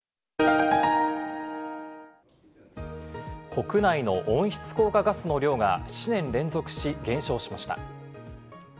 国内の温室効果ガスの量が７年連続し減少しました。